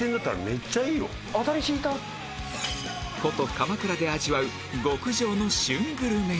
古都鎌倉で味わう極上の旬グルメに